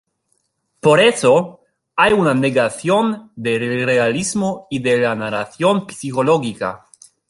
Por eso, hay una negación del realismo y de la narración psicológica.